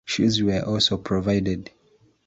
Shoes were also provided.